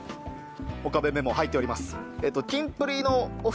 岡部メモ入っております。